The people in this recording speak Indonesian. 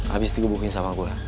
abis itu gua bukin sama gua